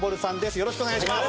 よろしくお願いします。